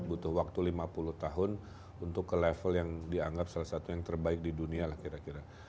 butuh waktu lima puluh tahun untuk ke level yang dianggap salah satu yang terbaik di dunia lah kira kira